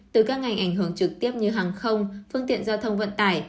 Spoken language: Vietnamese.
từ các ngành ảnh hưởng trực tiếp như hàng không phương tiện giao thông vận tải